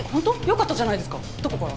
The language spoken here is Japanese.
よかったじゃないですか。